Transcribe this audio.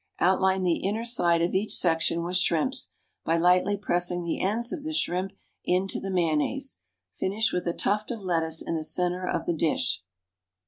Outline the inner side of each section with shrimps, by lightly pressing the ends of the shrimps into the mayonnaise. Finish with a tuft of lettuce in the centre of the dish.